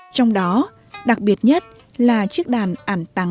trong đó đặc biệt nhất là chiếc đàn ảnh tắng